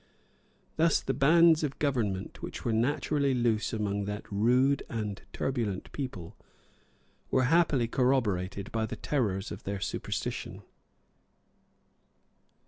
Thus the bands of government, which were naturally loose among that rude and turbulent people, were happily corroborated by the terrors of their superstition.